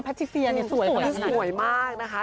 แพทย์เสียนี่สวยขนาดนี้สวยมากนะคะ